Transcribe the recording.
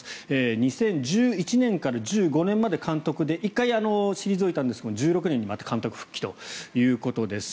２０１１年から２０１５年まで監督で１回、退いたんですが２０１６年にまた監督復帰ということです。